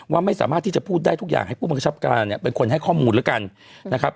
ว่าไม่สามารถที่จะพูดได้ทุกอย่างให้ผู้บังคับการเนี่ยเป็นคนให้ข้อมูลแล้วกันนะครับ